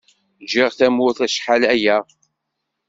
Ǧǧiɣ tamurt acḥal aya.